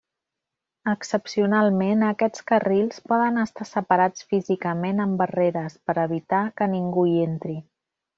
Excepcionalment, aquests carrils poden estar separats físicament amb barreres per evitar que ningú hi entri.